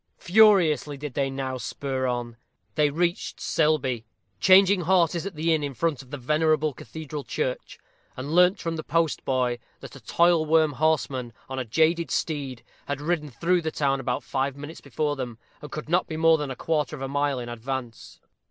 Furiously did they now spur on. They reached Selby, changed horses at the inn in front of the venerable cathedral church, and learnt from the postboy that a toilworn horseman, on a jaded steed, had ridden through the town about five minutes before them, and could not be more than a quarter of a mile in advance.